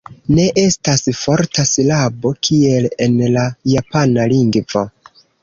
Ne estas forta silabo, kiel en la japana lingvo.